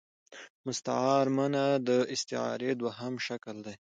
مستعارمنه د ا ستعارې دوهم شکل دﺉ.